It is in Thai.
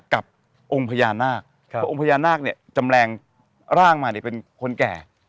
กับองค์พญานาคเพราะองค์พญานาคจำแรงร่างมาเป็นคนแก่